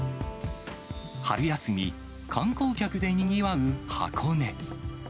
春休み、観光客でにぎわう箱根。